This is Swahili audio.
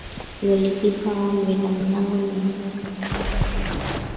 Goli kipa au mlinda mlango ni mmoja kati ya walinzi